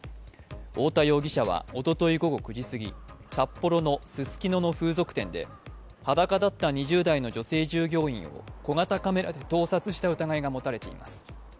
太田容疑者はおととい午後９時すぎ札幌のススキノの風俗店で裸だった２０代の女性従業員を小型カメラで盗撮した疑いがもたれています。